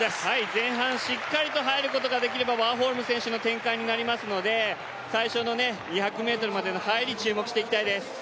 前半しっかりと入ることができればワーホルム選手の展開になりますので最初の２００ｍまでの入り注目していきたいです。